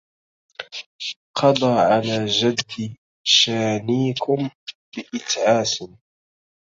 قضى على جد شانيكم بإتعاس